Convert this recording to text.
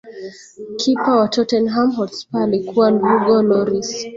kipa wa tottenham hotspur alikuwa hugo loris